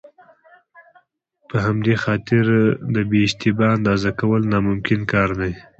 په همدې خاطر د بې اشتباه اندازه کول ناممکن کار دی.